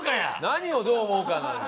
何をどう思うかなのよ。